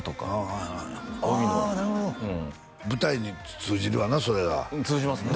はいはいはい帯のああなるほど舞台に通じるわなそれが通じますね